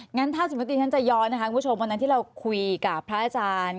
งั้นถ้าสมมุติฉันจะย้อนนะคะคุณผู้ชมวันนั้นที่เราคุยกับพระอาจารย์